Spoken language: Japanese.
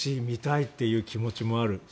見たいという気持ちもある。